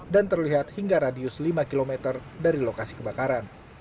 dan terlihat hingga radius lima km dari lokasi kebakaran